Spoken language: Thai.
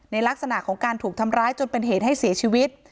ลักษณะของการถูกทำร้ายจนเป็นเหตุให้เสียชีวิต